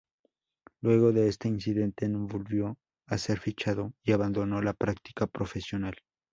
Luego de este incidente no volvió a ser fichado y abandonó la práctica profesional.